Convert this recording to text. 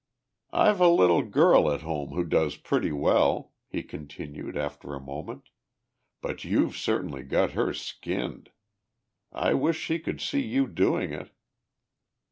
"I've a little girl at home who does pretty well," he continued after a moment, "but you've certainly got her skinned. I wish she could see you doing it."